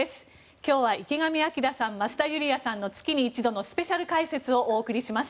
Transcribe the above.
今日は池上彰さん、増田ユリヤさんの月に一度のスペシャル解説をお届けします。